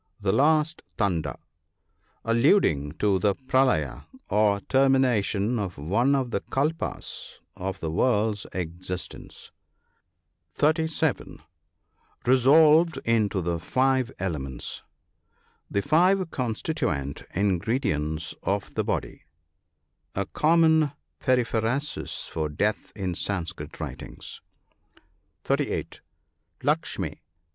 The last thunder, — Alluding to the " Pralaya," or termination of one of the Kalpas of the world's existence. (370 Resolved into the five elements. — The five constituent ingredients of the body. A common periphrasis for death in Sanskrit writings. (38.) Lakshmi.